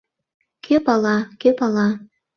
Кӧ пала, кӧ пала...